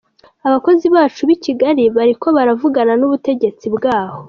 Abakozi bacu b'i Kigali bariko baravugana n'ubutegetsi bwaho.